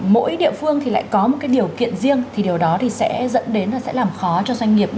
mỗi địa phương thì lại có một cái điều kiện riêng thì điều đó thì sẽ dẫn đến là sẽ làm khó cho doanh nghiệp